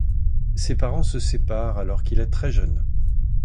Ses parents se séparent alors qu’il est très jeune.